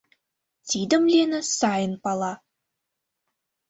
Тидым Лена сайын пала.